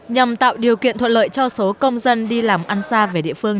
nhằm tạo điều kiện thuận lợi cho số công dân đi làm ăn xa về địa phương